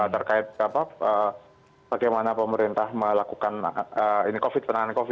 terkait bagaimana pemerintah melakukan ini covid sembilan belas